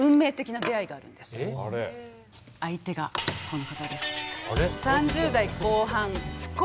相手がこの方です。